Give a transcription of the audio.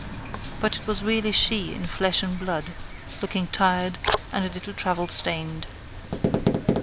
But it was really she in flesh and blood, looking tired and a little travel stained.